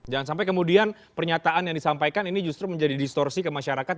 jangan sampai kemudian pernyataan yang disampaikan ini justru menjadi distorsi ke masyarakat